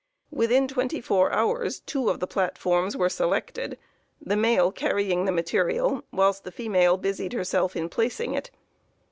Within twenty four hours two of the platforms were selected; the male carrying the material, whilst the female busied herself in placing it.